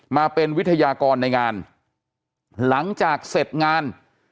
มาเป็นวิทยากรในงานหลังจากเสร็จงาน